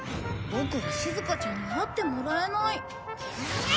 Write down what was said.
ボクはしずかちゃんに会ってもらえない。